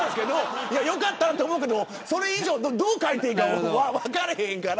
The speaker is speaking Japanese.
良かったと思うけどそれ以上どう書いていいか分からないから。